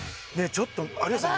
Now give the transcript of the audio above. ちょっと有吉さん